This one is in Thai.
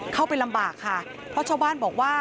เข้าไปลำบากค่ะเพราะชาวบ้านบอกว่า